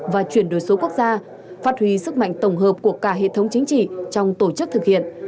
và chuyển đổi số quốc gia phát huy sức mạnh tổng hợp của cả hệ thống chính trị trong tổ chức thực hiện